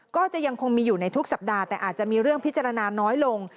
ก็จะยังคงมีอยู่ในทุกสัปดาห์แต่อาจจะมีเรื่องพิจารณาน้อยลง